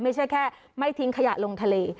ไม่ใช่แค่ไม่ทิ้งขยะลงทะเล